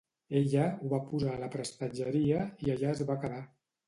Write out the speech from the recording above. Ella ho va posar a la prestatgeria, i allà es va quedar.